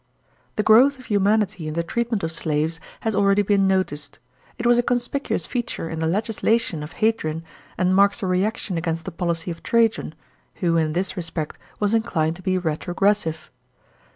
§ 26. The growth of humanity in the treatment of slaves has already been noticed. It was a conspicuous feature in the legis lation of Hadrian and marks a reaction against the policy of Trajan, who in this respect was inclined to be retrogressive.